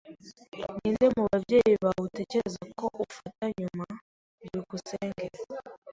Ninde mubabyeyi bawe utekereza ko ufata nyuma? byukusenge